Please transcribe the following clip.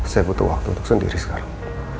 saya butuh waktu untuk sendiri sekarang